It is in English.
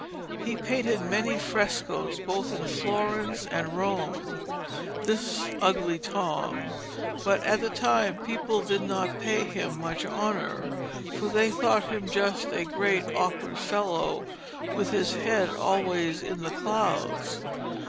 He painted many frescoes both in Florence and Rome, this Ugly Tom, but at the time the people did not pay him much honour, for they thought him just a great awkward fellow with his head always in the clouds.